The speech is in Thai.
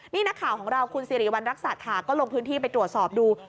นี่นักข่าวของเราคุณสิริวัณรักษัตริย์ค่ะก็ลงพื้นที่ไปตรวจสอบดู